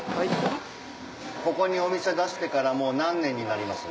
ここにお店出してからもう何年になります？